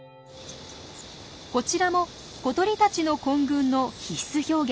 こちらも小鳥たちの混群の必須表現